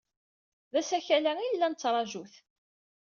D asakal-a ay nella nettṛaju-t.